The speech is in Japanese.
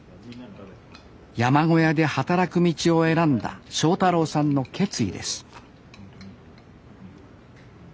山小屋で働く道を選んだ正太郎さんの決意です